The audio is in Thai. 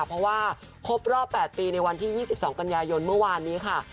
เพราะว่าครบรอบ๘ปีในวันที่๒๒กันยายนเมื่อวานนี้ค่ะ